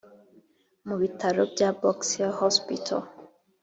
mu bitaro bya box hill hospital